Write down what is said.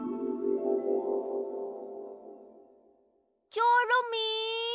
チョロミー？